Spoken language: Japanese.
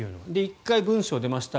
１回文章が出ました